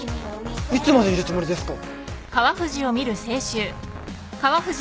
いつまでいるつもりですか。